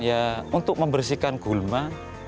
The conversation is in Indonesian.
ya untuk membersihkan gulma